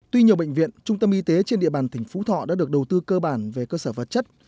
tuy nhiều bệnh viện trung tâm y tế trên địa bàn tỉnh phú thọ đã được đầu tư cơ bản về cơ sở vật chất